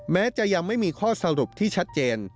แม้จะยังไม่มีข้อสรุปที่ชัดเจน